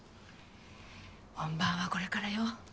本番はこれからよ。